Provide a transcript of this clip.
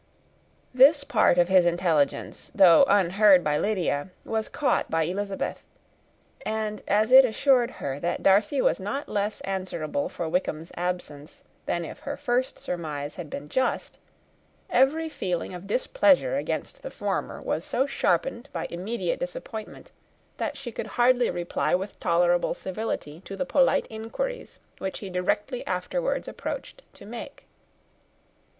This part of his intelligence, though unheard by Lydia, was caught by Elizabeth; and, as it assured her that Darcy was not less answerable for Wickham's absence than if her first surmise had been just, every feeling of displeasure against the former was so sharpened by immediate disappointment, that she could hardly reply with tolerable civility to the polite inquiries which he directly afterwards approached to make.